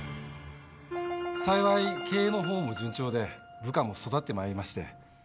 「幸い経営の方も順調で部下も育ってまいりまして」